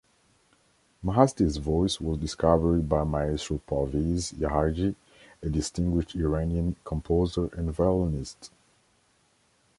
Mahasti's voice was discovered by maestro Parviz Yahaghi, a distinguished Iranian composer and violinist.